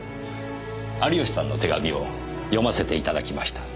有吉さんの手紙を読ませていただきました。